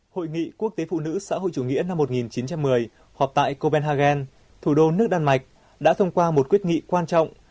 hội nghị quốc tế phụ nữ xã hội chủ nghĩa năm một nghìn chín trăm một mươi họp tại copenhagen thủ đô nước đan mạch đã thông qua một quyết nghị quan trọng